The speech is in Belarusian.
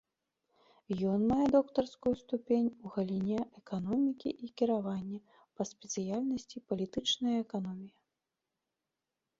Ён мае доктарскую ступень у галіне эканомікі і кіравання па спецыяльнасці палітычная эканомія.